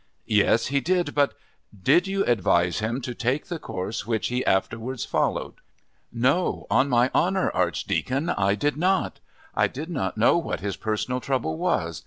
"Yes, he did. But " "Did you advise him to take the course which he afterwards followed?" "No, on my honour, Archdeacon, I did not. I did not know what his personal trouble was.